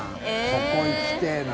ここ行きてぇな。